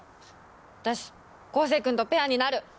私昴生君とペアになる！